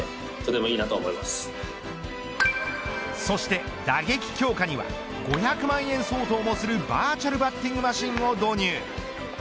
そして打撃強化には５００万円相当もするバーチャルバッティングマシンを導入。